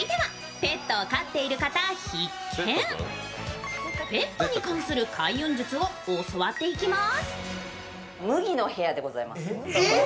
ペットに関する開運術を教わっていきます。